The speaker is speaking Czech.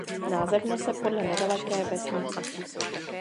Název nese podle nedaleké vesnice.